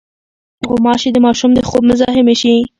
غوماشې د ماشوم د خوب مزاحمې شي.